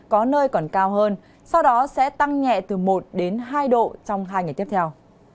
có nơi còn cao hơn sau đó sẽ tăng nhẹ từ một hai độ trong hai ngày tiếp theo